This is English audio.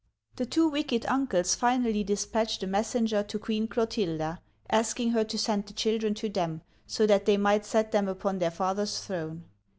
The two wicked uncles finally dispatched a messenger to Queen Clotilda, asking her to send the children to them, so that they might set them upon their father's throne.